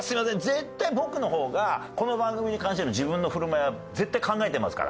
絶対僕の方がこの番組に関しての自分の振る舞いは絶対考えてますから。